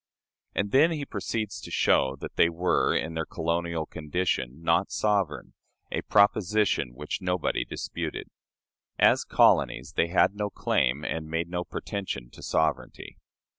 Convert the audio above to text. And then he proceeds to show that they were, in their colonial condition, not sovereign a proposition which nobody disputed. As colonies, they had no claim, and made no pretension, to sovereignty.